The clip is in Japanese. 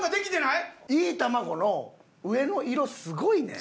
いい卵の上の色すごいね！